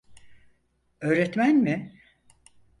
Öğretmen mi?